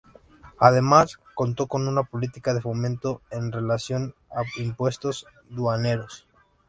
Además, contó con una política de fomento en relación a impuestos aduaneros.